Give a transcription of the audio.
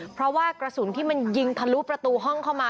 เพราะว่ากระสุนที่มันยิงทะลุประตูห้องเข้ามา